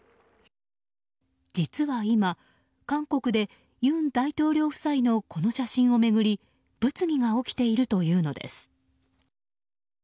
実は今、韓国で尹大統領夫妻のこの写真を巡り物議が起きているというのです。